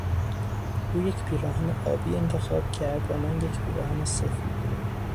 او یک پیراهن آبی انتخاب کرد و من یک پیراهن سفید.